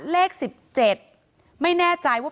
เลข๑๗ไม่แน่ใจว่า